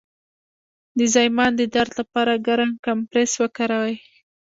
د زایمان د درد لپاره ګرم کمپرس وکاروئ